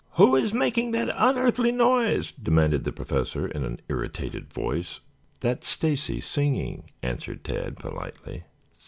"Who is making that unearthly noise?" demanded the Professor in an irritated voice. "That's Stacy singing," answered Tad politely.